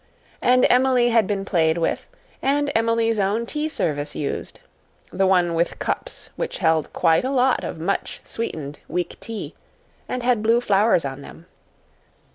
And Emily had been played with, and Emily's own tea service used the one with cups which held quite a lot of much sweetened weak tea and had blue flowers on them.